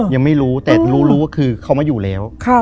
ยังไม่รู้แต่รู้ว่าคือเขามาอยู่แล้ว